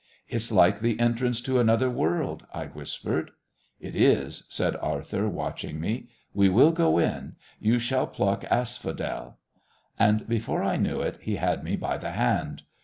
"It's like the entrance to another world," I whispered. "It is," said Arthur, watching me. "We will go in. You shall pluck asphodel...." And, before I knew it, he had me by the hand.